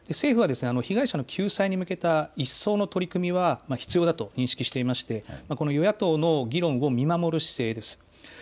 政府は被害者の救済に向けた一層の取り組みは必要だと認識していましてこの与野党の議論を見守る姿勢です。